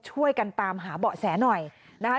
ช่วยกันตามหาเบาะแสหน่อยนะคะ